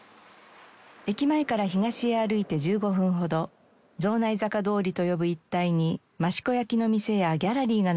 駅前から東へ歩いて１５分ほど城内坂通りと呼ぶ一帯に益子焼の店やギャラリーが並びます。